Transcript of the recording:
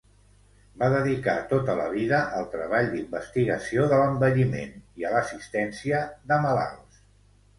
Va dedicar tota la vida al treball d'investigació de l'envelliment i a l'assistència de malalts.